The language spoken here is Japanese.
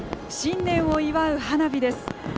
新年を祝う花火です。